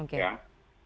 dan ternyata maju